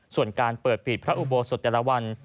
ส่วนการเปิดปีกพระอุโบสถแต่ละวัน